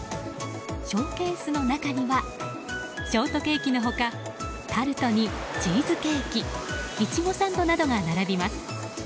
ショーケースの中にはショートケーキの他タルトにチーズケーキイチゴサンドなどが並びます。